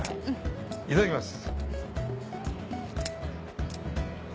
いただきます。